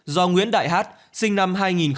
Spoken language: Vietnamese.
do nguyễn đại hát sinh năm hai nghìn sáu